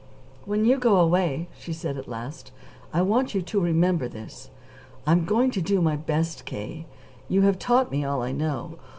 "When you go away," she said at last, "I want you to remember this. I'm going to do my best, K. You have taught me all I know.